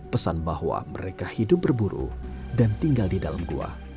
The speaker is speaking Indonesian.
pesan bahwa mereka hidup berburu dan tinggal di dalam gua